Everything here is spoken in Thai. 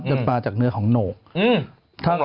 แต่ละร้านก็จะไม่เหมือนกัน